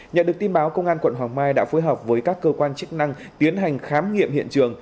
nhận được tin báo công an quận hoàng mai đã phối hợp với các cơ quan chức năng tiến hành khám nghiệm hiện trường